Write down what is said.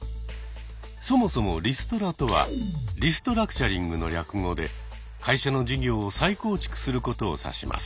そもそもリストラとは「リストラクチャリング」の略語で会社の事業を再構築することを指します。